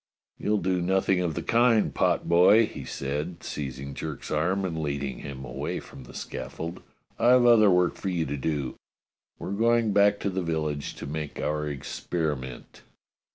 "You'll do nothing of the kind, potboy," he said, seizing Jerk's arm and leading him away from the scaf fold. "I've other work for you to do. We're going back to the village to make our experiment."